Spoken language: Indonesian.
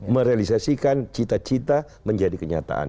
merealisasikan cita cita menjadi kenyataan